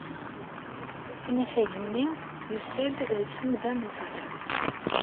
Anafag-nni yusa-d deg Temda n Osaka.